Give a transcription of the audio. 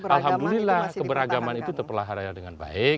alhamdulillah keberagaman itu terpelahara dengan baik